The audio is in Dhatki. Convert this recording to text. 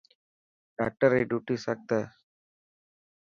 ڊاڪٽر ري ڊوٽي سخت هي.